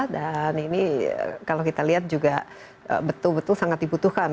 dan ini kalau kita lihat juga betul betul sangat dibutuhkan